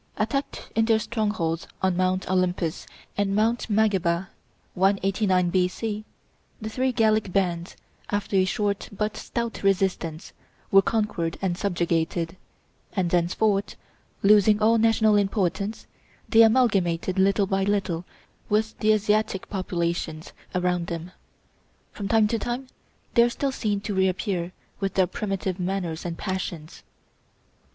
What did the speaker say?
Attacked in their strongholds on Mount Olympus and Mount Magaba, 189 B.C., the three Gallic bands, after a short but stout resistance, were conquered and subjugated; and thenceforth losing all national importance, they amalgamated little by little with the Asiatic populations around them. From time to time they are still seen to reappear with their primitive manners and passions.